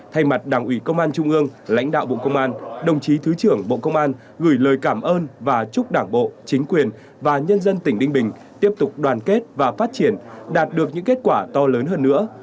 thay mặt đảng ủy công an trung ương lãnh đạo bộ công an đồng chí thứ trưởng bộ công an gửi lời cảm ơn và chúc đảng bộ chính quyền và nhân dân tỉnh ninh bình tiếp tục đoàn kết và phát triển đạt được những kết quả to lớn hơn nữa